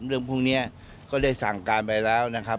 เรื่องพวกนี้ก็ได้สั่งการไปแล้วนะครับ